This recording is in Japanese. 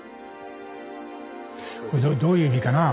これどういう意味かなあ。